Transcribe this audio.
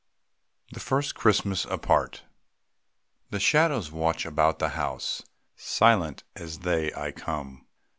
THE FIRST CHRISTMAS APART. The shadows watch about the house; Silent as they, I come.